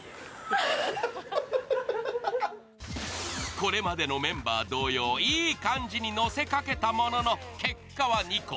これまでのメンバー同様、いい感じにのせかけたものの、結果は２個。